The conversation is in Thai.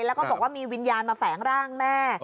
แล้วก็บอกว่ามีวิญญาณมาแฝงร่างแม่